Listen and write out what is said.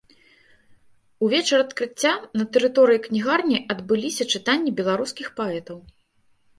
У вечар адкрыцця на тэрыторыі кнігарні адбыліся чытанні беларускіх паэтаў.